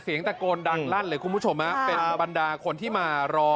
เสียงตะโกนดังลั่นเลยคุณผู้ชมฮะเป็นบรรดาคนที่มารอ